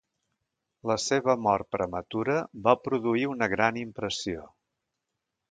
La seva mort prematura va produir una gran impressió.